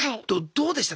どうでした？